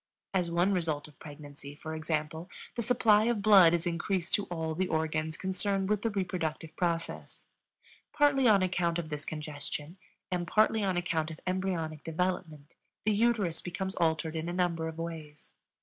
As one result of pregnancy, for example, the supply of blood is increased to all the organs concerned with the reproductive process. Partly on account of this congestion and partly on account of embryonic development, the uterus becomes altered in a number of ways.